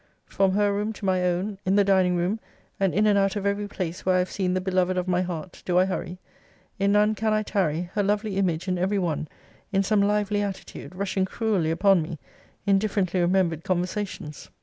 From her room to my own; in the dining room, and in and out of every place where I have seen the beloved of my heart, do I hurry; in none can I tarry; her lovely image in every one, in some lively attitude, rushing cruelly upon me, in differently remembered conversations.